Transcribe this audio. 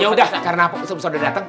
yaudah karena pak busur busur udah dateng